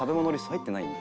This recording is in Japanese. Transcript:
入ってない。